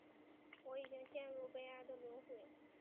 我已经陷入悲哀的轮回